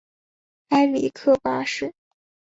埃里克八世。